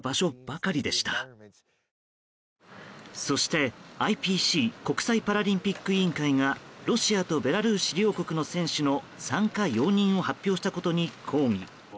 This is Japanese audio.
そして、ＩＰＣ・国際パラリンピック委員会がロシアとベラルーシ両国の選手の参加容認を発表したことに抗議。